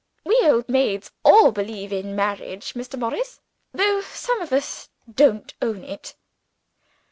"We old maids all believe in marriage, Mr. Morris though some of us don't own it."